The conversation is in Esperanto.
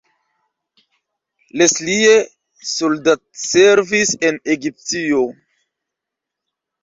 Leslie soldatservis en Egiptio.